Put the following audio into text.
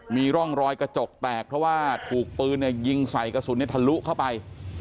มีร่องรอยกระจกแตกเพราะว่าถูกปืนยิงใส่กระสุนทะลุเข้าไป